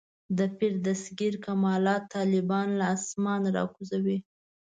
د پیر دستګیر کمالات طالبان له اسمانه راکوزوي.